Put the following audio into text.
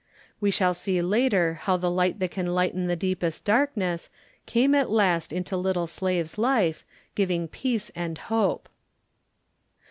We shall see later how the Light that can lighten the deepest darkness, came at last into little Slave's life, giving peace and hope.